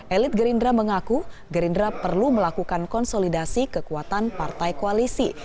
elit gerindra mengaku gerindra perlu melakukan konsolidasi kekuatan partai koalisi